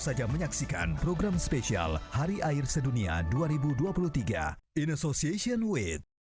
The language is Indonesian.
saya bini termawan sampai jumpa